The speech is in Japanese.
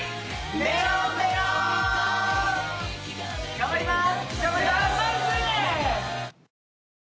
頑張りまーす！